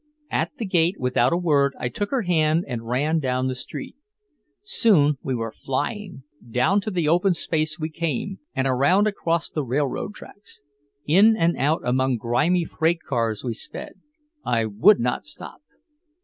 At the gate without a word I took her hand and ran down the street. Soon we were flying. Down to the open space we came, and around across the railroad tracks. In and out among grimy freight cars we sped. I would not stop.